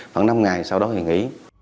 khoảng năm ngày sau đó thì nghỉ